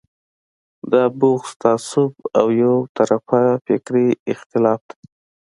دا بغض، تعصب او یو طرفه فکري اختلاف دی.